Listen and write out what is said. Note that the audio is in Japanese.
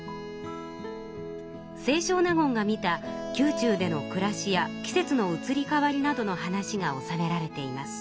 清少納言が見た宮中でのくらしや季節の移り変わりなどの話がおさめられています。